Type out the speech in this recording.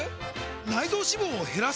内臓脂肪を減らす！？